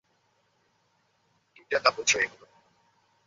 কী যা তা বলছ এগুলো!